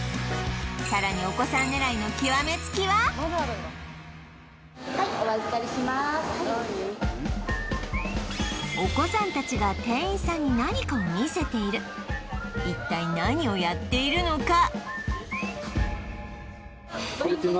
さらにお子さん狙いの極め付きはお子さんたちが店員さんに何かを見せている一体何をやっているのか？